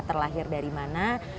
terlahir dari mana